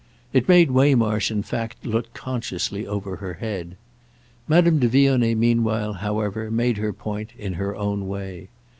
It made Waymarsh in fact look consciously over her head. Madame de Vionnet meanwhile, however, made her point in her own way.